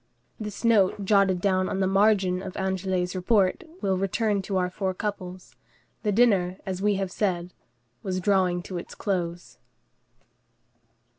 This note jotted down on the margin of Anglès' report, we will return to our four couples. The dinner, as we have said, was drawing to its close.